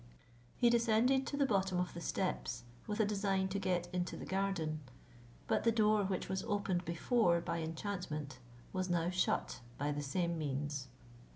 He descended to the bottom of the steps, with a design to get into the garden, but the door, which was opened before by enchantment, was now shut by the same means.